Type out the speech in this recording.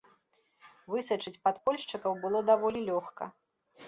Высачыць падпольшчыкаў было даволі лёгка.